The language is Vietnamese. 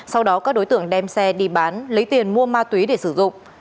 sau đó các đối tượng đem xe đi bán lấy tiền mua ma túy để sử dụng